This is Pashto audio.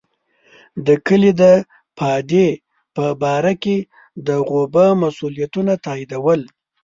د کلي د پادې په باره کې د غوبه مسوولیتونه تاییدول.